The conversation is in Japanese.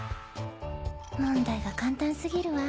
問題が簡単過ぎるわ。